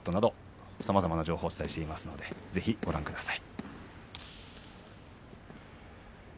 さまざまな情報をお届けしています、ぜひご覧ください。